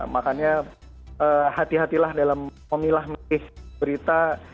makanya hati hatilah dalam memilah milih berita